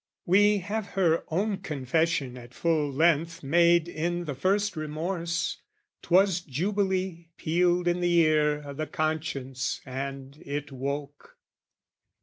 We have her own confession at full length Made in the first remorse: 'twas Jubilee Pealed in the ear o' the conscience and it woke.